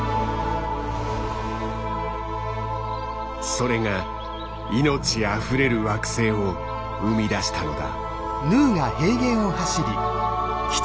それが命あふれる惑星を生み出したのだ。